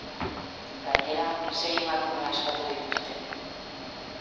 Gainera, sei emakume askatu dituzte.